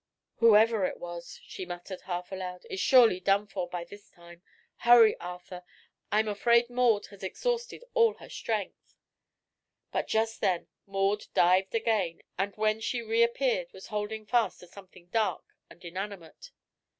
"Whoever it was," she muttered, half aloud, "is surely done for by this time. Hurry, Arthur! I'm afraid Maud has exhausted all her strength." But just then Maud dived again and when she reappeared was holding fast to something dark and inanimate.